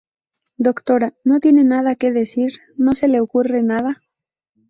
doctora, ¿ no tiene nada que decir? ¿ no se le ocurre nada?